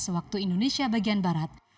waktu indonesia bagian barat